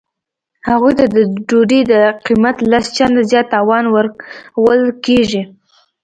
هغوی ته د ډوډۍ د قیمت لس چنده زیات تاوان ورکول کیږي